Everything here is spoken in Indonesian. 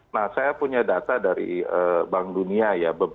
nah saya punya data dari bank dunia ya